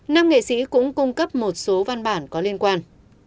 nam nghệ sĩ cũng cung cấp một số văn bản có liên quan